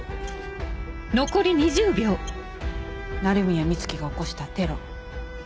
鳴宮美月が起こしたテロ。